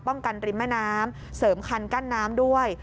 กันริมแม่น้ำเสริมคันกั้นน้ำด้วย